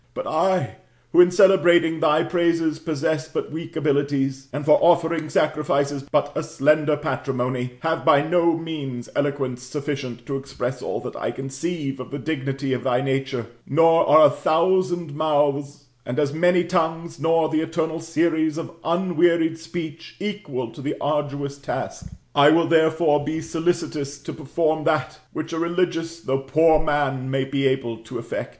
But I, who in cele brating thy praises possess but weak abilities, and for offering sacrifices but % slender patrimony, have by no means eloquence sufficient to express all that I conceive of the dignity of thy nature ; nor are a thousand mouths, and as many tongues, nor the eternal series of unwearied speech, equal to the arduous task. I will, therefore, be solicitous to perform that which a religious though poor man may be able to effect.